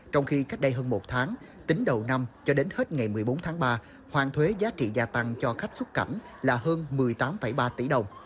trong khi cách đây hơn một tháng tính đầu năm cho đến hết ngày một mươi bốn tháng ba hoàn thuế giá trị gia tăng cho khách xuất cảnh là hơn một mươi tám ba tỷ đồng